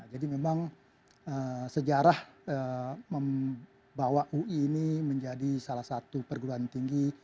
jadi memang sejarah membawa ui ini menjadi salah satu perguruan tinggi